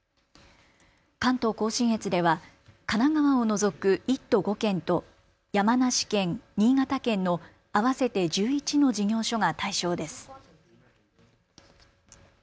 関東甲信越では神奈川を除く１都５県と山梨県、新潟県の合わせて１１の事業所が対象です。